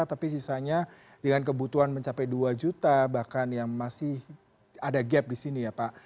tapi sisanya dengan kebutuhan mencapai dua juta bahkan yang masih ada gap di sini ya pak